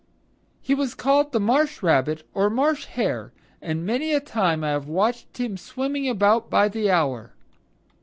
He was called the Marsh Rabbit or Marsh Hare, and many a time I have watched him swimming about by the hour."